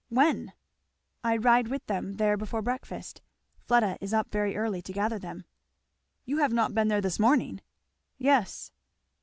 When?" "I ride with them there before breakfast. Fleda is up very early to gather them." "You have not been there this morning?" "Yes."